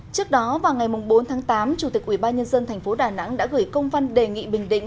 trước đó vào ngày bốn tháng tám chủ tịch ubnd tp đà nẵng đã gửi công văn đề nghị bình định